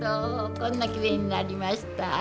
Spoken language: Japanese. こんなきれいになりました。